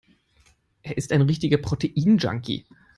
Er ist ein richtiger Protein-Junkie.